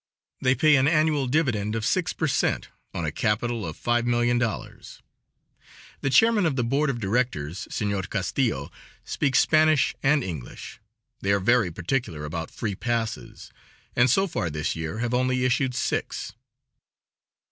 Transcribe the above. They pay an annual dividend of six per cent, on a capital of $5,000,000. The Chairman of the Board of Directors, Senor Castillo, speaks Spanish and English; they are very particular about free passes, and so far this year have only issued six.